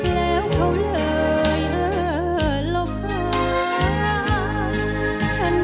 แล้วเขาเลยเลิศลงแสง